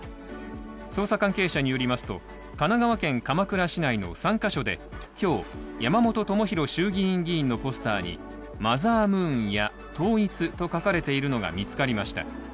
捜査関係者によりますと、神奈川県鎌倉市内の３か所で、今日山本朋広元衆議院議員のポスターに「マザームーン」や「統一」と書かれているのが見つかりました。